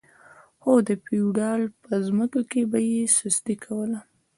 خو د فیوډال په ځمکو کې به یې سستي کوله.